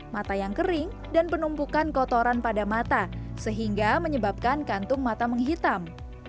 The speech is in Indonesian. mata yang kering dan penumpukan kotoran pada mata sehingga menyebabkan kantung mata menghitam